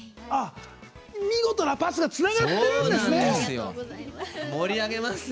見事なパスがつながってるんですね。